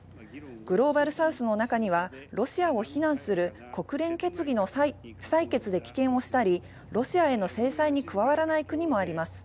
グローバルサウスの中にはロシアを非難する国連決議の採決で棄権をしたり、ロシアへの制裁に加わらない国もあります。